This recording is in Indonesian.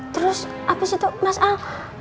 terus habis itu mas al